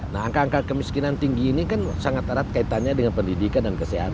nah angka angka kemiskinan tinggi ini kan sangat erat kaitannya dengan pendidikan dan kesehatan